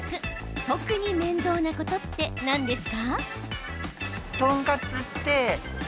特に面倒なことって何ですか？